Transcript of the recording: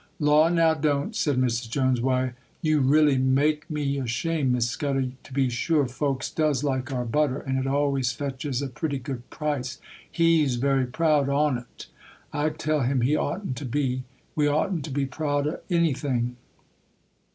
'Law, now don't!' said Mrs. Jones. 'Why you re'lly make me ashamed, Miss Scudder. To be sure, folks does like our butter, and it always fetches a pretty good price,—he's very proud on't. I tell him he oughtn't to be,—we oughtn't to be proud of anything.